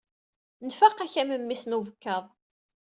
Nfaq-ak a memmi-s n ubekkaḍ.